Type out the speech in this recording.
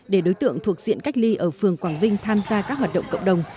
để đối tượng thuộc diện cách ly ở phường quảng vinh tham gia các hoạt động cộng đồng